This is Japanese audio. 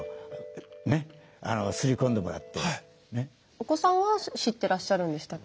お子さんは知ってらっしゃるんでしたっけ？